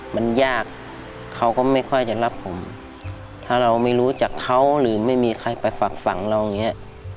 มันยากเขาก็ไม่ค่อยจะรับผมถ้าเราไม่รู้จักเขาหรือไม่มีใครไปฝากฝังเราอย่างนี้